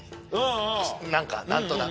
何か何となく。